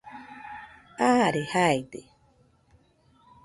are jaide